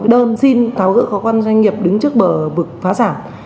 đơn xin tháo gỡ có quan doanh nghiệp đứng trước bờ vực phá sản